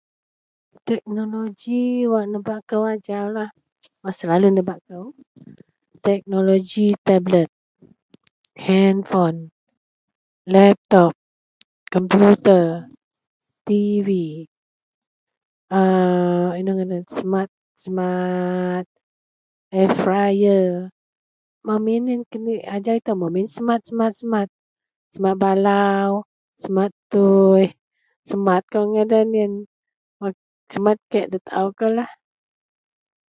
Teknoloji wak nebak kou ajaulah wak selalu nebak kou teknoloji tablet hanpon laptop komputa tibi aaa ino ngadan smart air fryer ajau ito semua smart, semat balau semat tuih smart ngadan ien semat kek da tao kou lah.